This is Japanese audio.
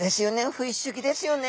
フィッシュギですよね。